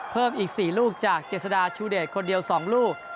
เพิ่มอีก๔ลูกจากเจษฎาชูเดชคนเดียว๒ลูก